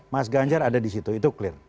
mas ganjar ada disitu itu clear